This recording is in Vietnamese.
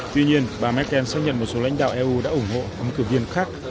tuy nhiên bà merkel xác nhận một số lãnh đạo eu đã ủng hộ ứng cử viên khác